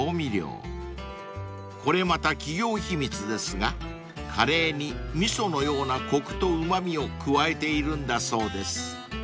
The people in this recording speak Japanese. ［これまた企業秘密ですがカレーに味噌のようなコクとうま味を加えているんだそうです］